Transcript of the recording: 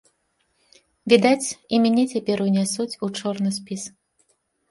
Відаць, і мяне цяпер унясуць у чорны спіс.